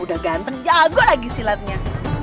udah ganteng jago lagi silatnya